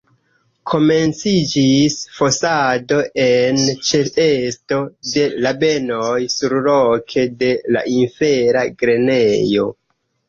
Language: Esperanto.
Komenciĝis fosado en ĉeesto de rabenoj surloke de la infera grenejo.